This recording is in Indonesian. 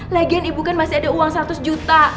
lagian ibu kan masih ada uang seratus juta